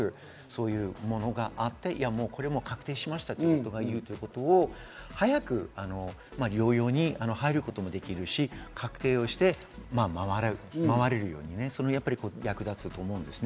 そういうものがあって、確定しましたということを早く療養に入ることもできるし、確定してまわれるように役立つと思います。